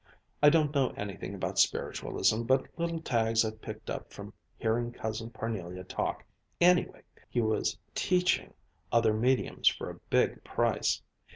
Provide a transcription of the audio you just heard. I don't know anything about spiritualism but little tags I've picked up from hearing Cousin Parnelia talk. Anyway, he was 'teaching' other mediums for a big price.